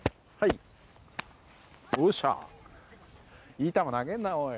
いい球投げるな、おい。